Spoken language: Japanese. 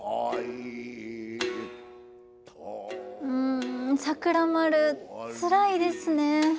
うん桜丸つらいですね。